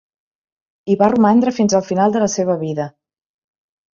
Hi va romandre fins al final de la seva vida.